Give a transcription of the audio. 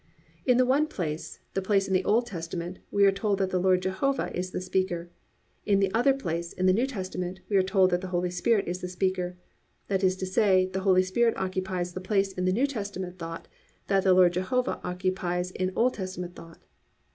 "+ In the one place, the place in the Old Testament, we are told that the Lord Jehovah is the speaker; in the other place, in the New Testament, we are told that the Holy Spirit is the speaker; that is to say, the Holy Spirit occupies the place in New Testament thought that the Lord Jehovah occupies in Old Testament thought.